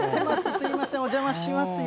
すみません、お邪魔しますよ。